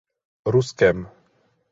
Ruskem!